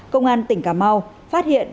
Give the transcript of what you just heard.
công an tỉnh cà mau phát hiện